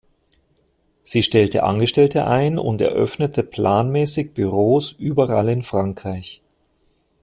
Sie stellte Angestellte ein und eröffnete planmäßig Büros überall in Frankreich.